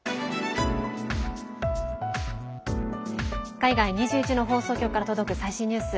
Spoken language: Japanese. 海外２１の放送局から届く最新ニュース。